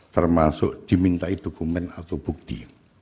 termasuk dimintai dokumen atau bukti